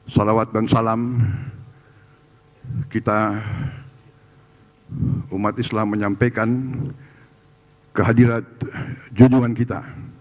salawat dan salam kita umat islam menyampaikan kehadiran judungan kita